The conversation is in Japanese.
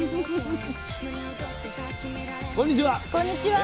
こんにちは。